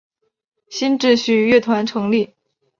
新秩序乐团成立。